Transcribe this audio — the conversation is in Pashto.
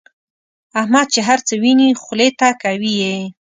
احمد چې هرڅه ویني خولې ته کوي یې.